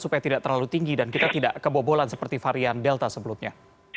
supaya tidak terlalu tinggi dan kita tidak kebobolan seperti varian delta sebelumnya